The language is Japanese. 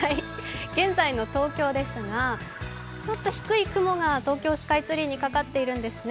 現在の東京ですが、ちょっと低い雲が東京スカイツリーにかかっているんですね。